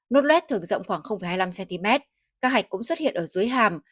nốt lét thường rộng khoảng hai mươi năm cm các hạch cũng xuất hiện ở dưới hàm